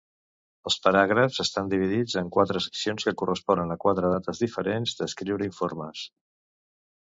Els paràgrafs estan dividits en quatre seccions que corresponen a quatre dates diferents d'escriure informes.